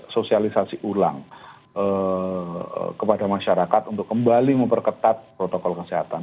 sosialisasi ulang kepada masyarakat untuk kembali memperketat protokol kesehatan